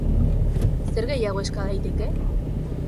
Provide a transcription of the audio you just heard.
Zer gehiago eska daiteke?